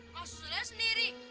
kau susulnya sendiri